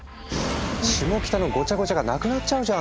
「シモキタのごちゃごちゃがなくなっちゃうじゃん！」